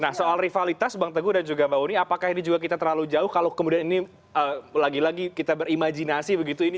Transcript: nah soal rivalitas bang teguh dan juga mbak uni apakah ini juga kita terlalu jauh kalau kemudian ini lagi lagi kita berimajinasi begitu ini